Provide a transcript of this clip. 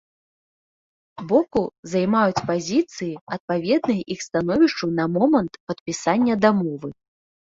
Боку займаюць пазіцыі, адпаведныя іх становішчу на момант падпісання дамовы.